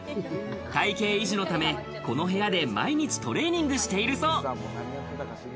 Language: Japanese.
体型維持のため、この部屋で毎日トレーニングしているそう。